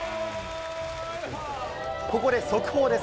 ここで速報です。